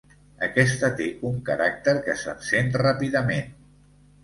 Aquesta té un caràcter que s'encén ràpidament.